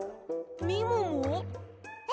みもも？え？